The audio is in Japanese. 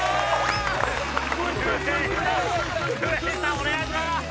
お願いします！